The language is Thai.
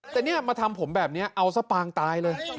แต่เนี่ยมาทำผมแบบนี้เอาซะปางตายเลย